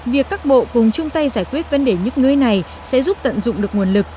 việc các bộ cùng chung tay giải quyết vấn đề nhức nhối này sẽ giúp tận dụng được nguồn lực